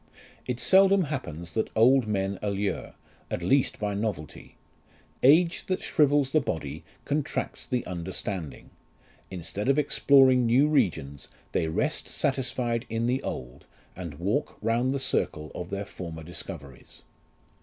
It seldom happens, that old men allure, at least by novelty : age that shrivels the body contracts the understanding ; instead of exploring new regions, they rest satisfied in the old, and walk round the circle of their former discoveries.